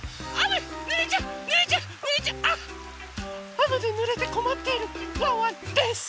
あめでぬれてこまっているワンワンです。